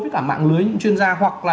với cả mạng lưới những chuyên gia hoặc là